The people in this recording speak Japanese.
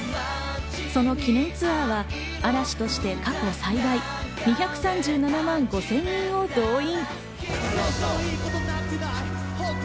その記念ツアーは嵐として過去最大の２３７万５０００人を動員。